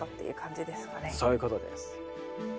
そういうことです。